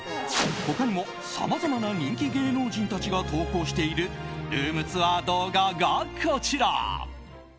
他にもさまざまな人気芸能人たちが投稿しているルームツアー動画がこちら。